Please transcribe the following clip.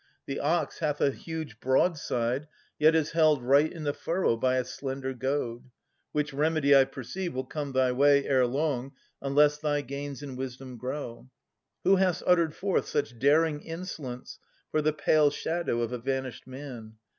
The ox hath a huge broadside, yet is held Right in the furrow by a slender goad; Which remedy, I perceive, will come thy way Ere long, unless thy gains in wisdom grow; Who hast uttered forth such daring insolence For the pale shadow of a vanished man.